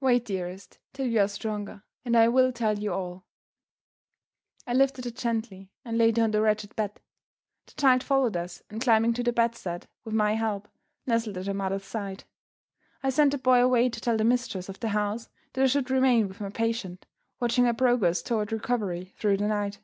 "Wait, dearest, till you are stronger, and I will tell you all." I lifted her gently, and laid her on the wretched bed. The child followed us, and climbing to the bedstead with my help, nestled at her mother's side. I sent the boy away to tell the mistress of the house that I should remain with my patient, watching her progress toward recovery, through the night.